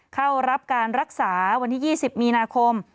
เข้ารับการรักษาวันที่๒๐มีนาคม